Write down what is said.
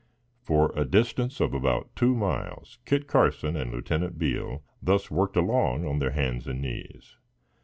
For a distance of about two miles, Kit Carson and Lieutenant Beale thus worked along on their hands and knees.